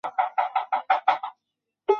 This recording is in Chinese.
东汉侍中。